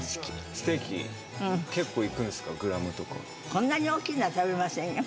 こんなに大きいのは食べませんよ。